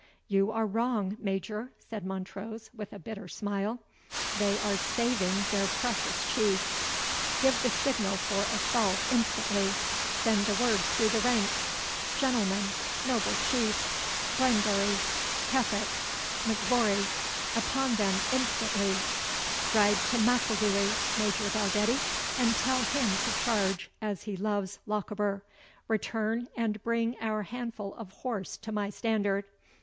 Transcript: "You are wrong, Major," said Montrose, with a bitter smile, "they are saving their precious Chief Give the signal for assault instantly send the word through the ranks. Gentlemen, noble Chiefs, Glengarry, Keppoch, M'Vourigh, upon them instantly! Ride to M'Ilduy, Major Dalgetty, and tell him to charge as he loves Lochaber return and bring our handful of horse to my standard.